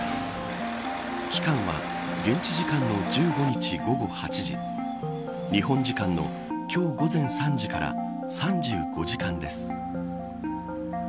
期間は現地時間の１５日午後８時日本時間の今日午前３時から３５時間です。